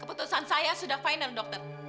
keputusan saya sudah final dokter